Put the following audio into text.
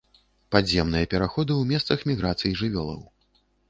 Падземныя пераходы ў месцах міграцый жывёлаў.